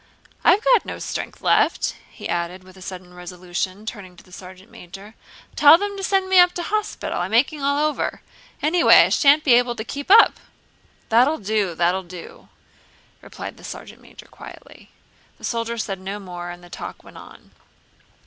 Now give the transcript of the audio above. I've got no strength left," he added, with sudden resolution turning to the sergeant major. "Tell them to send me to hospital; I'm aching all over; anyway I shan't be able to keep up." "That'll do, that'll do!" replied the sergeant major quietly. The soldier said no more and the talk went on.